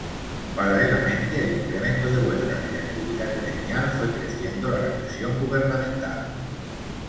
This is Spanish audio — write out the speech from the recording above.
Paralelamente al incremento de huelgas y actividad gremial, fue creciendo la represión gubernamental.